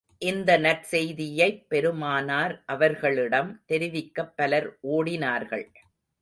இந்த நற்செய்தியைப் பெருமானார் அவர்களிடம் தெரிவிக்கப் பலர் ஓடினார்கள்.